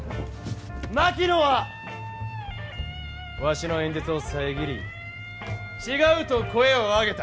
槙野はわしの演説を遮り「違う」と声を上げた。